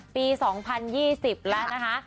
ปี๒๐๒๐แล้วนะคะ